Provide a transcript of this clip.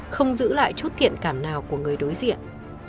không giữ lại chút kiện cảm nào của người đối diện